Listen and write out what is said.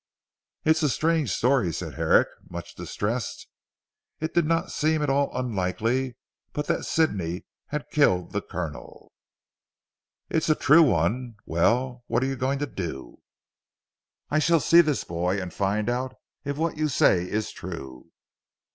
"It's a strange story," said Herrick much distressed. It did not seem at all unlikely, but that Sidney had killed the Colonel. "It's a true one. Well, what are you going to do." "I shall see this boy, and find out if what you say is true."